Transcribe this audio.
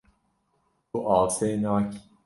Tu asê nakî.